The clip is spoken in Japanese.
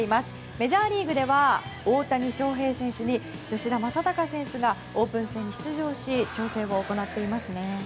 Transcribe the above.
メジャーリーグでは大谷翔平選手に吉田正尚選手がオープン戦に出場し調整を行っていますね。